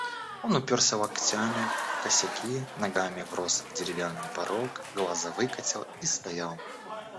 Он упёрся локтями в косяки, ногами врос в деревянный порог, глаза выкатил и стоял.